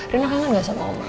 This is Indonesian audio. rena kangen gak sama oma